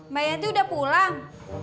mbak yanti udah pulang